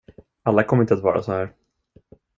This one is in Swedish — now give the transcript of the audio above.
Alla kommer inte att vara så här.